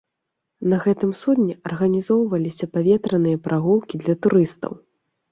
На гэтым судне арганізоўваліся паветраныя прагулкі для турыстаў.